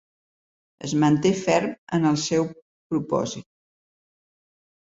Es manté ferm en el seu propòsit.